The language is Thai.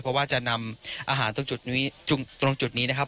เพราะว่าจะนำอาหารตรงจุดนี้นะครับ